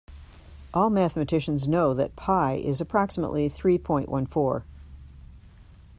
All mathematicians know that Pi is approximately three point one four